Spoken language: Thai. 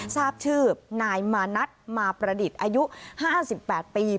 ทราบชื่อนายมานัทมาประดิษฐ์อายุ๕๘ปี